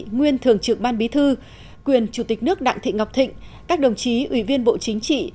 nguyên thường trực ban bí thư quyền chủ tịch nước đặng thị ngọc thịnh các đồng chí ủy viên bộ chính trị